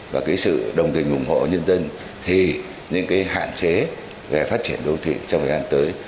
và sự đồng hình ủng hộ nhân dân thì những hạn chế về phát triển đô thị trong thời gian tới